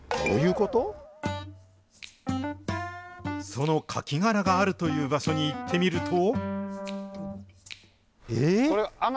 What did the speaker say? そのカキ殻があるという場所に行ってみると。